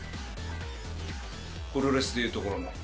プロレスで言うところの。